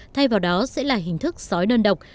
thay vào đó sẽ là hình thức sói đơn độc